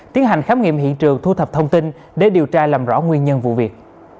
tiến hành khám nghiệm hiện trường thu thập thông tin để điều tra làm rõ nguyên nhân vụ việc